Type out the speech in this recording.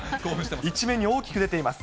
１面に大きく出ています。